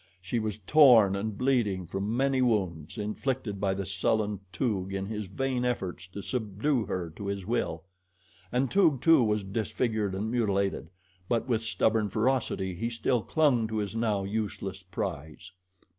She was torn and bleeding from many wounds, inflicted by the sullen Toog in his vain efforts to subdue her to his will, and Toog too was disfigured and mutilated; but with stubborn ferocity, he still clung to his now useless prize.